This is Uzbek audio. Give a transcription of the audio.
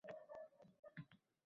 Nima uchun hech o'ylab ko'rganmisiz?